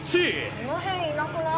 その辺いなくない？